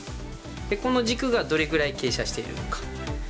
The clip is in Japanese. この軸がどれくらい傾斜しているのか。